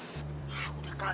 hah udah kal